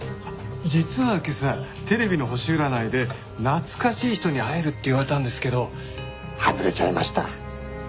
実は今朝テレビの星占いで「懐かしい人に会える」って言われたんですけど外れちゃいました。